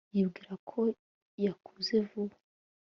yibwira ko yakuze vuba